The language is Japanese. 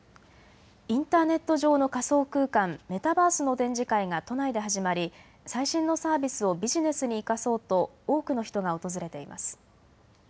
インターネット上の仮想空間、メタバースの展示会が都内で始まり最新のサービスをビジネスに生かそうと多くの人が訪れています。